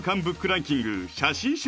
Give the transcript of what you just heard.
ランキング写真集